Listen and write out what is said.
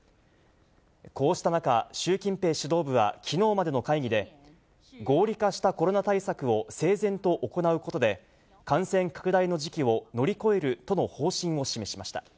こうした中、習近平指導部はきのうまでの会議で、合理化したコロナ対策を整然と行うことで、感染拡大の時期を乗り越えるとの方針を示しました。